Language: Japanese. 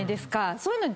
そういうのに。